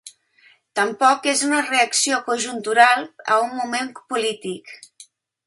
Tampoc és una reacció conjuntural a un moment polític.